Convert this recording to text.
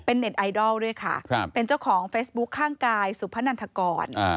เน็ตไอดอลด้วยค่ะเป็นเจ้าของเฟซบุ๊คข้างกายสุพนันทกร